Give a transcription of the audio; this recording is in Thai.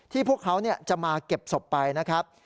พวกเขาจะมาเก็บศพไปนะครับ